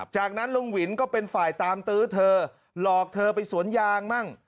จากนั้นลุงวินก็เป็นฝ่ายตามตื้อเธอหลอกเธอไปสวนยางมั่ง